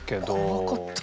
怖かった。